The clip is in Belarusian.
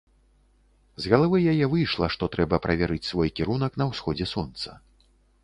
З галавы яе выйшла, што трэба праверыць свой кірунак на ўсходзе сонца.